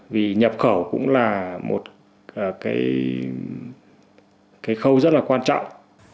vì nhập khẩu cũng là một cái khâu rất là quan trọng